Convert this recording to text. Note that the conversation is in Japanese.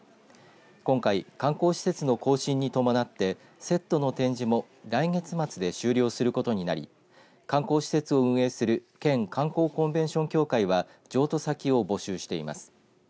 今回、観光施設の更新に伴ってセットの展示も来月末で終了することになり観光施設を運営する県観光コンベンション協会は譲渡先を募集しています。